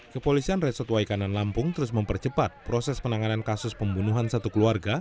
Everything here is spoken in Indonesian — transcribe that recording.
kepolisian resort waikanan lampung terus mempercepat proses penanganan kasus pembunuhan satu keluarga